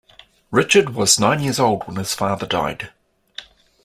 Richard was nine years old when his father died.